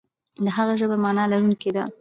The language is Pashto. د هغه ژبه معنا لرونکې ده.